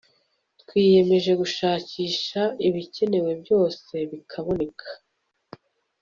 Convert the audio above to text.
twiyemeje gushakisha ibikenewe byose bikaboneka